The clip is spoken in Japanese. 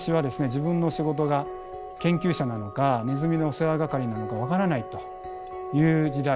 自分の仕事が研究者なのかネズミのお世話係なのか分からないという時代。